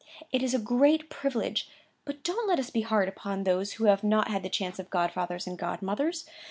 It is a great privilege, but don't let us be hard upon those who have not had the chance of godfathers and godmothers.